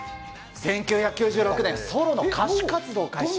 １９９６年、ソロの歌手活動開始。